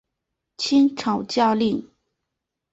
清朝将领。